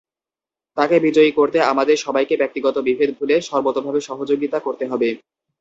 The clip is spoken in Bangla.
তাঁকে বিজয়ী করতে আমাদের সবাইকে ব্যক্তিগত বিভেদ ভুলে সর্বতোভাবে সহযোগিতা করতে হবে।